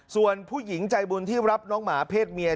ส่วนผู้หญิงใจบุญที่รับน้องหมาเพศเมีย